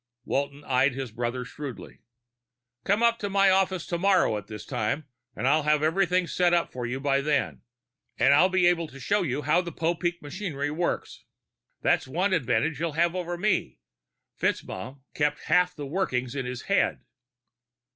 Walton eyed his brother shrewdly. "Come up to my office tomorrow at this time. I'll have everything set up for you by then, and I'll be able to show you how the Popeek machinery works. That's one advantage you'll have over me. FitzMaugham kept half the workings in his head."